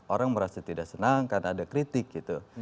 orang merasa tidak senang karena ada kritik gitu